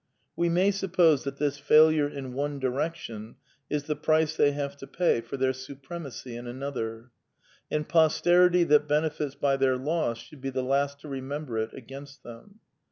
We may suppose that this failure in one direction is the price they have to pay for their supremacy in another; and posterity that benefits by their loss should be the last to remember it against them.